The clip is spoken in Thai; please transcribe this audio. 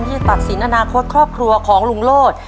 ที่จะตัดสินอนาคตครอบครัวของลุงโลศ